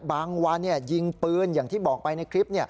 บางวันยิงปืนอย่างที่บอกไปในคลิป